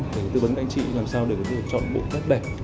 có thể tư vấn các anh chị làm sao để có thể lựa chọn bộ vest đẹp